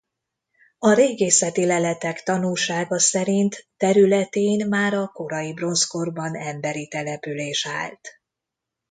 A régészeti leletek tanúsága szerint területén már a korai bronzkorban emberi település állt.